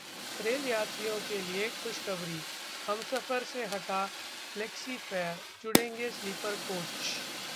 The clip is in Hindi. रेल यात्रियों के लिए खुशखबरी, हमसफर से हटा फ्लेक्सी फेयर, जुड़ेंगे स्लीपर कोच